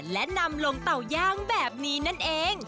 และนำลงเต่าย่างแบบนี้นั่นเอง